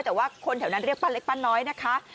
แต่ว่าคนแถวนั้นเรียกป้าเล็กป้าน้อยนะคะ